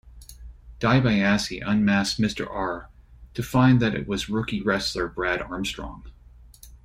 Dibiase unmasked Mr R to find that it was rookie wrestler Brad Armstrong.